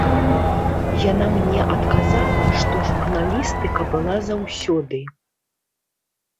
Яна мне адказала, што журналістыка была заўсёды.